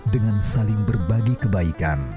dengan saling berbagi kebaikan